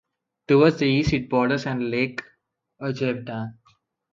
Towards the east it borders on lake Oggevatn.